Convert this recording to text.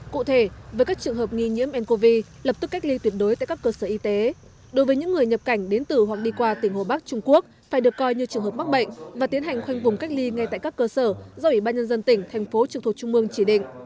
cụ thể với các trường hợp nghi nhiễm ncov lập tức cách ly tuyệt đối tại các cơ sở y tế đối với những người nhập cảnh đến từ hoặc đi qua tỉnh hồ bắc trung quốc phải được coi như trường hợp mắc bệnh và tiến hành khoanh vùng cách ly ngay tại các cơ sở do ủy ban nhân dân tỉnh thành phố trực thuộc trung mương chỉ định